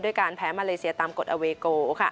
การแพ้มาเลเซียตามกฎอเวโก